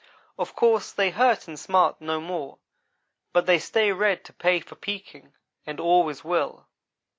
Of course they hurt and smart no more but they stay red to pay for peeking, and always will.